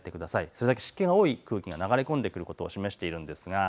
それだけ湿気が多い空気が流れ込んでくることを示しています。